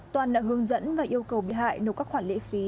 toàn đã hướng dẫn và yêu cầu bị hại nộp các khoản lễ phí